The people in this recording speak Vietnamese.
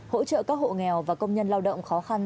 hỗ trợ các hộ nghèo và công nhân lao động khó khăn